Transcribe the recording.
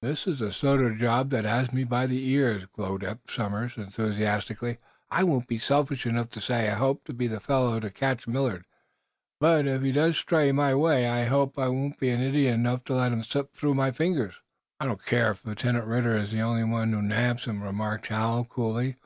"This is the sort of job that has me by the ears," glowed Eph Somers, enthusiastically. "I won't be selfish enough to say I hope to be the fellow to catch Millard. But, if he does stray my way, I hope I won't be idiot enough to let him slip through my fingers." "I don't care if Lieutenant Ridder is the one who nabs him," remarked Hal, coolly.